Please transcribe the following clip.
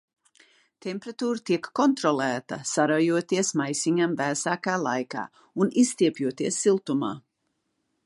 Temperatūra tiek kontrolēta, saraujoties maisiņam vēsākā laikā un izstiepjoties siltumā.